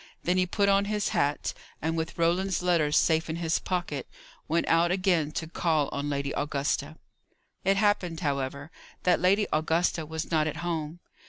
Then he put on his hat, and, with Roland's letter safe in his pocket, went out again to call on Lady Augusta. It happened, however, that Lady Augusta was not at home.